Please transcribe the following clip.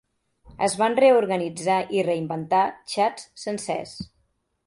Es van reorganitzar i reinventar xats sencers.